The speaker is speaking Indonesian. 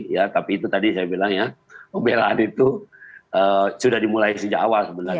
ya tapi itu tadi saya bilang ya pembelaan itu sudah dimulai sejak awal sebenarnya